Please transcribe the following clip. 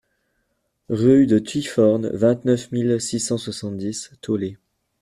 Rue de Ty-Forn, vingt-neuf mille six cent soixante-dix Taulé